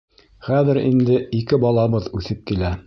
Хәҙер инде ике балабыҙ үҫеп килә.